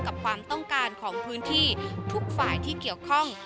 กับความต้องการของพื้นที่ทุกฝ่ายที่เกี่ยวข้อง